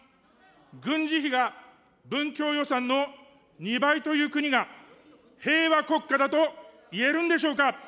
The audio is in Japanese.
軍事費が文教予算の２倍という国が、平和国家だといえるんでしょうか。